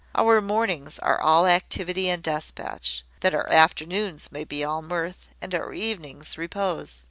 Our mornings are all activity and despatch, that our afternoons may be all mirth, and our evenings repose.